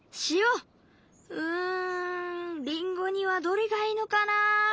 うんりんごにはどれがいいのかな？